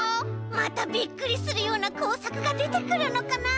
またびっくりするようなこうさくがでてくるのかな？